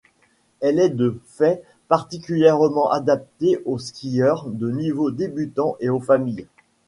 Elle est de fait particulièrement adaptée aux skieurs de niveau débutant et aux familles.